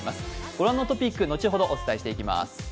御覧のトピック、後ほどお伝えしていきます。